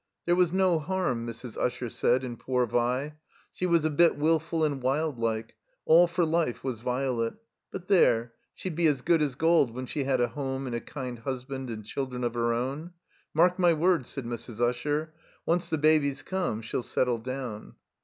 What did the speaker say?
There was no harm, Mrs. Usher said, in poor Vi. She was a bit wilful and wildlike; all for life was Violet — but there, she'd be as good as gold when she had a home and a kind husband and children of her own. "Mark my words," said Mrs. Usher, "once the babies come she'll settle down."